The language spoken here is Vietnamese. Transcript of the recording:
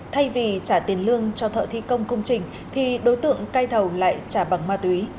thay vì trả tiền lương cho thợ thi công công trình thì đối tượng cây thầu lại trả bằng ma túy